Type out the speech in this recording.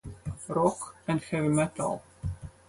Rock", and "Heavy Metal".